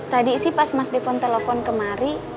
tadi sih pas mas depon telepon kemari